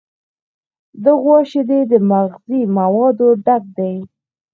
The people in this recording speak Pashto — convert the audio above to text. د غوا شیدې د مغذي موادو ډک دي.